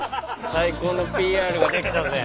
最高のＰＲができたぜ。